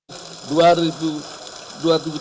serta tambahan kuota